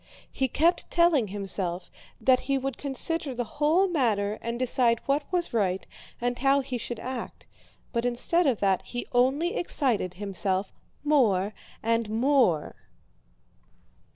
He kept telling himself that he would consider the whole matter and decide what was right and how he should act, but instead of that he only excited himself more and more.